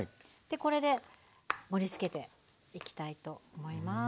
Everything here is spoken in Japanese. これで盛りつけていきたいと思います。